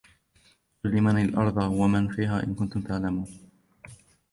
قل لمن الأرض ومن فيها إن كنتم تعلمون